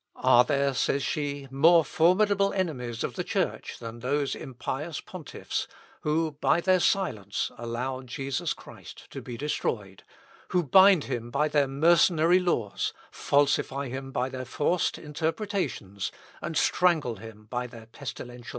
"Are there," says she, "more formidable enemies of the Church than those impious pontiffs, who, by their silence, allow Jesus Christ to be destroyed, who bind him by their mercenary laws, falsify him by their forced interpretations, and strangle him by their pestilential life?"